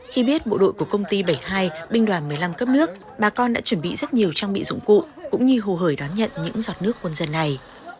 khi biết bộ đội của công ty bảy mươi hai binh đoàn một mươi năm cấp nước bà con đã chuẩn bị rất nhiều trang bị dụng cụ cũng như hồ hởi đón nhận những giọt nước quân dân này